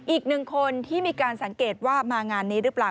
อีกหนึ่งคนที่มีการสังเกตว่ามางานนี้หรือเปล่า